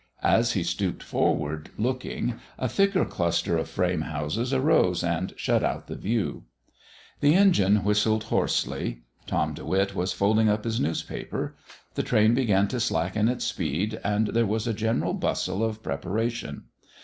As he stooped forward, looking, a thicker cluster of frame houses arose and shut out the view. The engine whistled hoarsely. Tom De Witt was folding up his newspaper. The train began to slacken its speed and there was a general bustle of preparation.